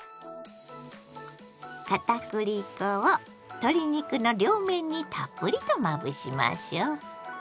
片栗粉を鶏肉の両面にたっぷりとまぶしましょ！